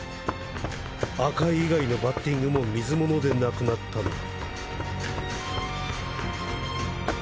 赤井以外のバッティングも水物でなくなったのは。